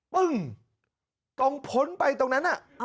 ปึ้งต้องพ้นไปตรงนั้นน่ะ